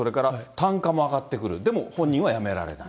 単価も上がってくる、でも本人はやめられない。